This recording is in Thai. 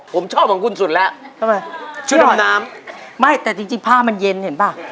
ผมชอบของคุณสุดแล้วทำไมชุดดำน้ำไม่แต่จริงจริงผ้ามันเย็นเห็นป่ะ